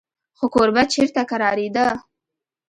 خو کوربه چېرته کرارېده.